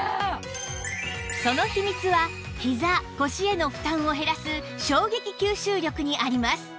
その秘密はひざ腰への負担を減らす衝撃吸収力にあります